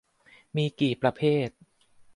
มีกี่ประเภท